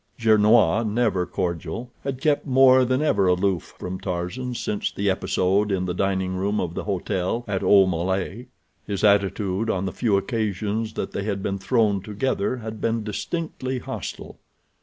Gernois, never cordial, had kept more than ever aloof from Tarzan since the episode in the dining room of the hotel at Aumale. His attitude on the few occasions that they had been thrown together had been distinctly hostile.